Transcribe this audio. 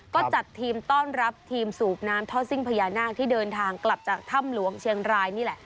ก็จัดทีมต้อนรับทีมสูบน้ำท่อซิ่งพญานาคที่เดินทางกลับจากถ้ำหลวงเชียงรายนี่แหละ